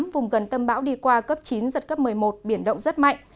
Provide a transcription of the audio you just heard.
vùng gần tâm bão đi qua cấp chín giật cấp một mươi một biển động rất mạnh